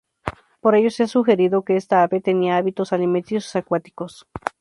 Por ello se ha sugerido que esta ave tenía hábitos alimenticios acuáticos.